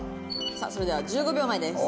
さあそれでは１５秒前です。